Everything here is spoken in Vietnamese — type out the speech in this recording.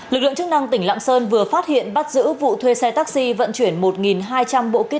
lực lượng chức năng tỉnh lạng sơn vừa phát hiện bắt giữ vụ thuê xe taxi vận chuyển một hai trăm linh bộ kit